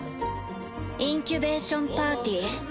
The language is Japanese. インキュベーション・パーティー。